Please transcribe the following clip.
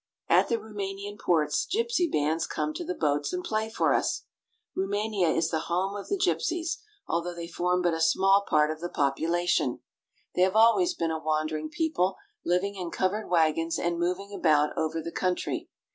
At the Roumanian ports, gypsy bands come to the boats and play for us. Roumania is the home of the gypsies, although they form but a small part of the popu lation. They have always been a wandering people, living in covered wagons and moving about over the country.